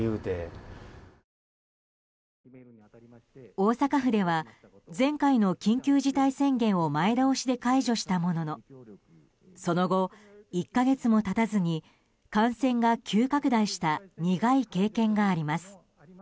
大阪府では前回の緊急事態宣言を前倒しで解除したもののその後、１か月も経たずに感染が急拡大した苦い経験があります。